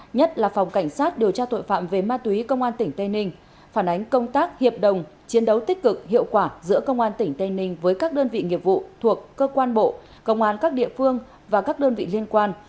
nhất là phòng cảnh sát điều tra tội phạm về ma túy công an tp hcm phản ánh công tác hiệp đồng chiến đấu tích cực hiệu quả giữa công an tp hcm với các đơn vị nghiệp vụ thuộc cơ quan bộ công an các địa phương và các đơn vị liên quan